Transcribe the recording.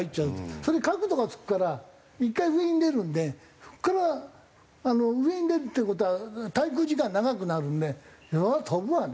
それで角度がつくから１回上に出るんでそこから上に出るっていう事は滞空時間長くなるんでそれは飛ぶわね。